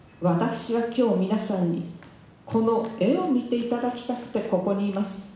私は今日皆さんにこの絵を見て頂きたくてここにいます。